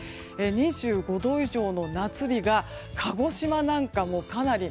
２５度以上の夏日が鹿児島なんか、かなり。